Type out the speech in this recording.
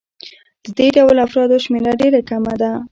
د دې ډول افرادو شمېره ډېره کمه ده